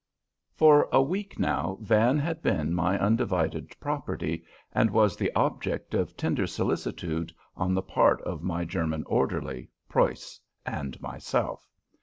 For a week now Van had been my undivided property, and was the object of tender solicitude on the part of my German orderly, "Preuss," and myself.